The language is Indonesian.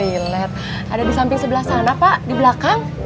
ada di samping sebelah sana pak di belakang